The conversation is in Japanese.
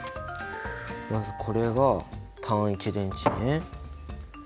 まずこれが単１電池ね。